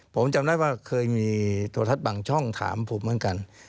ผมจำได้ว่าเคยมีโทรทัศน์บางช่องถามผมเหมือนกัน